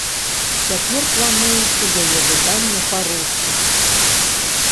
Цяпер плануецца яе выданне па-руску.